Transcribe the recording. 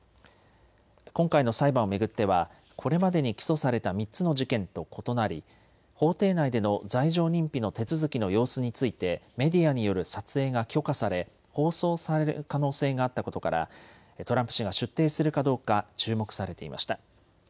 今回の裁判を巡ってはこれまでに起訴された３つの事件と異なり法廷内での罪状認否の手続きの様子についてメディアによる撮影が許可され放送される可能性があったことからトランプ氏が出廷するかどうか注目されていました。